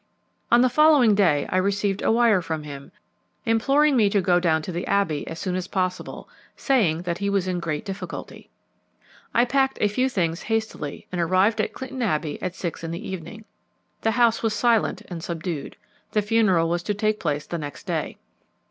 On the following day I received a wire from him, imploring me to go down to the Abbey as soon as possible, saying that he was in great difficulty. I packed a few things hastily, and arrived at Clinton Abbey at six in the evening. The house was silent and subdued the funeral was to take place the next day.